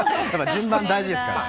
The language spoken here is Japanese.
順番、大事ですから。